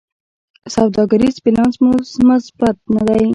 سوداګریز بیلانس مو مثبت نه دی.